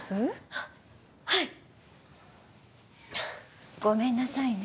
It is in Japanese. ははいっごめんなさいね